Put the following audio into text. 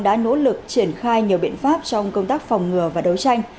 đã nỗ lực triển khai nhiều biện pháp trong công tác phòng ngừa và đấu tranh